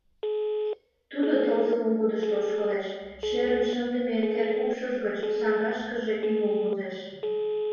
Тудо тылзе волгыдышто ошкылеш, шӧрын шындыме теркупшыж гыч саҥгашкыже ӱмыл возеш.